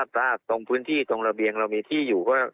ถ้าตรงพื้นที่ตรงระเบียงเรามีที่อยู่ก็